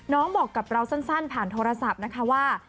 บอกกับเราสั้นผ่านโทรศัพท์นะคะว่า